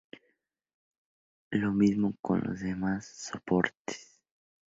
Lo mismo con los demás soportes.